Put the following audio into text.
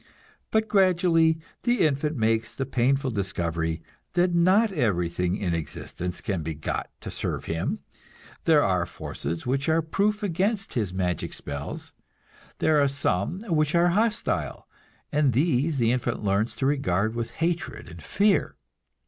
But gradually the infant makes the painful discovery that not everything in existence can be got to serve him; there are forces which are proof against his magic spells; there are some which are hostile, and these the infant learns to regard with hatred and fear.